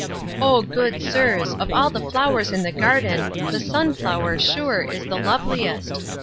O good sirs, of all the flowers in the garden, the sunflower, sure, is the loveliest!